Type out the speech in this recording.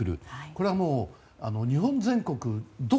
これは日本全国